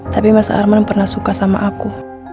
tapi mas arman pernah suka sama aku